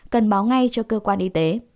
cần báo ngay cho cơ quan y tế